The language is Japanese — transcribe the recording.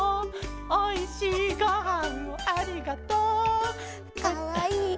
「おいしいごはんをありがとう」「かわいいかわいいけけけけ」